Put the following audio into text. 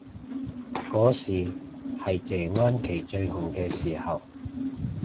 嗰時係謝安琪最紅嘅時候